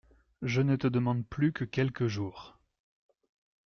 Je ne te demande plus que quelques jours.